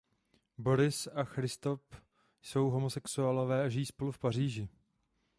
Boris a Christophe jsou homosexuálové a žijí spolu v Paříži.